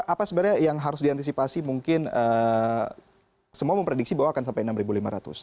apa sebenarnya yang harus diantisipasi mungkin semua memprediksi bahwa akan sampai rp enam lima ratus